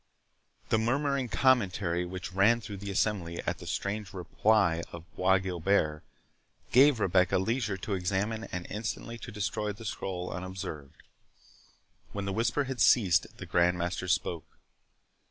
The murmuring commentary which ran through the assembly at the strange reply of Bois Guilbert, gave Rebecca leisure to examine and instantly to destroy the scroll unobserved. When the whisper had ceased, the Grand Master spoke.